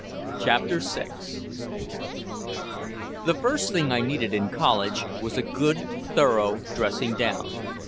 CHAPTER VI The first thing I needed in college was a good thorough dressing down.